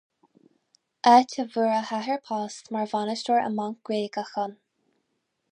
Áit a bhfuair a athair post mar bhainisteoir i mbanc Gréagach ann.